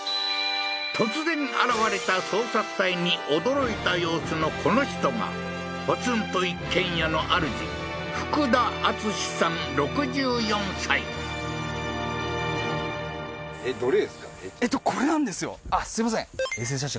突然現れた捜索隊に驚いた様子のこの人がポツンと一軒家のあるじあっすいません衛星写真